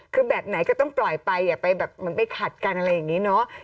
คือแบบไหนก็ต้องปล่อยไปอย่าไปแบบเหมือนไปขัดกันอะไรอย่างนี้เนาะ